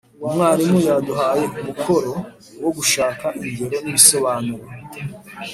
umwarimu yaduhaye umukoro wo gushaka ingero n'ibisobanuro